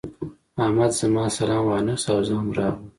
احمد زما سلام وانخيست او زه هم راغلم.